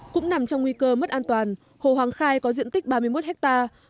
cũng nằm trong nguy cơ mất an toàn hồ hoàng khai có diện tích ba mươi một hectare